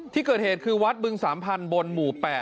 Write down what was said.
ที่เกิดเหตุคือวัดบึงสามพันธุ์บนหมู่๘